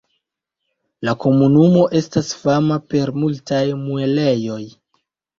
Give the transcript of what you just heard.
La komunumo estas fama per multaj muelejoj.